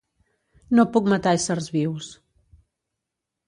No puc matar éssers vius.